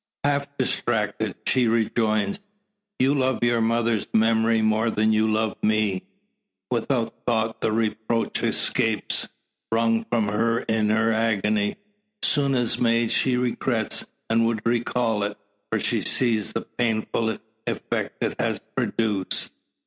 Half distracted, she rejoins: "You love your mother's memory more than you love me!" Without thought the reproach escapes wrung from her in her agony. Soon as made, she regrets, and would recall it. For she sees the painful effect it has produced.